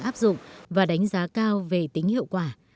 áp dụng và đánh giá cao về tính hiệu quả